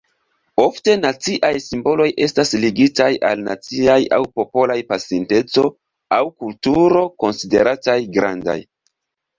Ofte naciaj simboloj estas ligitaj al naciaj aŭ popolaj pasinteco aŭ kulturo konsiderataj "grandaj".